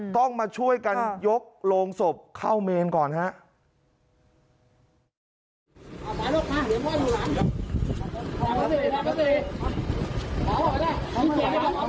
ต้องมาช่วยกันยกโรงศพเข้าเมนก่อนครับ